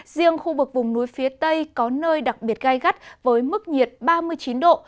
riêng khu vực vùng núi phía tây có nơi đặc biệt gai gắt với mức nhiệt ba mươi chín độ